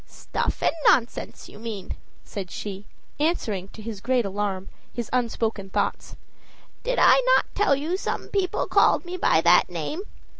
"Stuff and nonsense, you mean," said she, answering, to his great alarm, his unspoken thoughts. "Did I not tell you some people called me by that name?